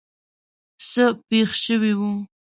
څه پېښ شوي وو.